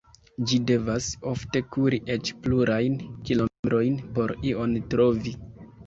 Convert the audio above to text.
Ĝi devas ofte kuri eĉ plurajn kilometrojn por ion trovi.